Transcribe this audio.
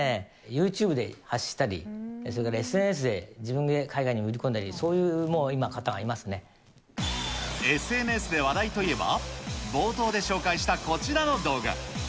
ユーチューブで発したり、それからＳＮＳで自分で海外に売り込んだり、そういうもう今、ＳＮＳで話題といえば、冒頭で紹介したこちらの動画。